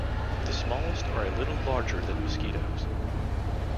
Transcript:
The smallest are a little larger than mosquitoes.